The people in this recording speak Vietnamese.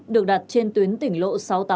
được đặt trên tuyến tỉnh lộ sáu trăm tám mươi tám